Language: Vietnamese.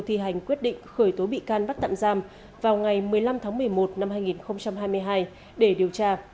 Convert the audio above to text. thi hành quyết định khởi tố bị can bắt tạm giam vào ngày một mươi năm tháng một mươi một năm hai nghìn hai mươi hai để điều tra